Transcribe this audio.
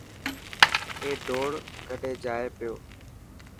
اي ڊوڙ ڪڍي جائي پيو.